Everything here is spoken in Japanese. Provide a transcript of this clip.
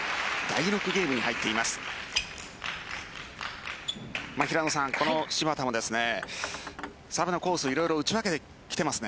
第６ゲームに入っています。